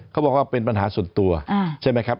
เขาบอกว่าเป็นปัญหาส่วนตัวใช่ไหมครับ